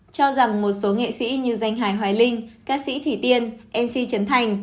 cho rằng một số nghệ sĩ như danh hài hoài linh ca sĩ thủy tiên mc trấn thành